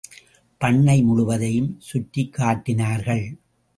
பண்ணை முழுவதையும் சுற்றிக் காட்டினார்கள்.